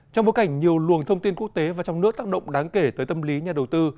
trong bối cảnh nhiều luồng thông tin quốc tế và trong nước tác động đáng kể tới tâm lý nhà đầu tư